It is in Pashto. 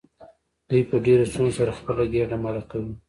دوی په ډیرو ستونزو سره خپله ګیډه مړه کوي.